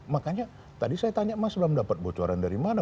makanya tadi saya tanya mas bram dapat bocoran dari mana